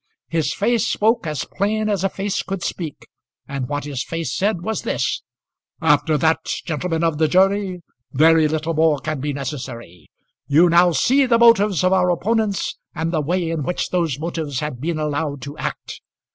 His face spoke as plain as a face could speak, and what his face said was this: "After that, gentlemen of the jury, very little more can be necessary. You now see the motives of our opponents, and the way in which those motives have been allowed to act.